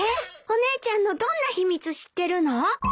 お姉ちゃんのどんな秘密知ってるの？